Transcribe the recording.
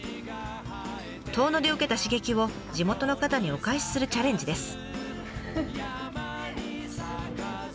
遠野で受けた刺激を地元の方にお返しするチャレンジです。